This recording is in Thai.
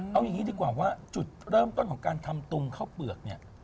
เอาอย่างนี้ดีกว่าว่าจุดเริ่มต้นของการทำตุงข้าวเปลือกเนี่ย